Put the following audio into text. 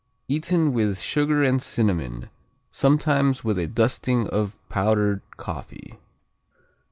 Eaten with sugar and cinnamon, sometimes with a dusting of powdered coffee.